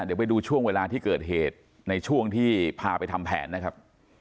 เดี๋ยวไปดูช่วงเวลาที่เกิดเหตุในช่วงที่พาไปทำแผนนะครับ